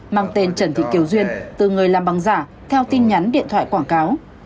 mang tên trần thị kiều duyên từ người làm băng giả theo tin nhắn điện thoại quảng cáo